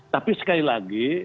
tapi sekali lagi